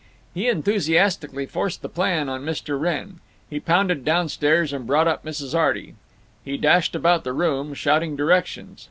He enthusiastically forced the plan on Mr. Wrenn. He pounded down stairs and brought up Mrs. Arty. He dashed about the room, shouting directions.